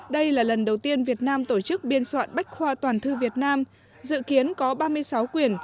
đây là lần đầu tiên việt nam tổ chức biên soạn bách khoa toàn thư việt nam dự kiến có ba mươi sáu quyển